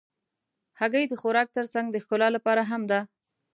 هګۍ د خوراک تر څنګ د ښکلا لپاره هم ده.